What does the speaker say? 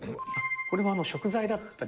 これは食材だったり。